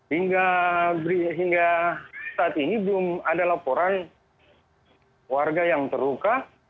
hingga saat ini belum ada laporan warga yang terluka